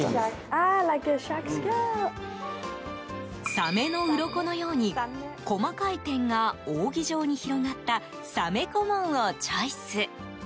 サメのうろこのように細かい点が扇状に広がった鮫小紋をチョイス。